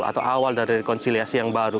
atau awal dari rekonsiliasi yang baru